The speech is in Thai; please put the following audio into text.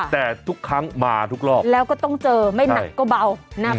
แต่ทุกครั้งมาทุกรอบแล้วก็ต้องเจอไม่หนักก็เบานะคะ